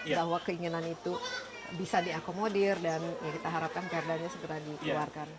bahwa keinginan itu bisa diakomodir dan ya kita harapkan perdanya segera dikeluarkan